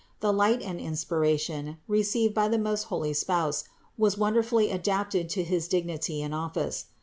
The light and inspiration, received by the most holy spouse was wonderfully adapted to his dignity and office.